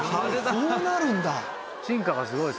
こうなるんだ。